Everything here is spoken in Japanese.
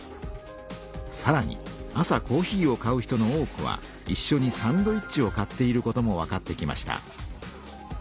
さらに朝コーヒーを買う人の多くはいっしょにサンドイッチを買っていることもわかってきました。